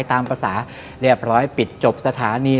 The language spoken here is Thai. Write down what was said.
ตามภาษาเรียบร้อยปิดจบสถานี